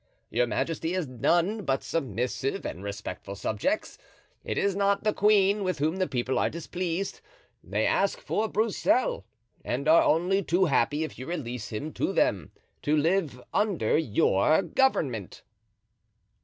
Your majesty has none but submissive and respectful subjects. It is not the queen with whom the people are displeased; they ask for Broussel and are only too happy, if you release him to them, to live under your government."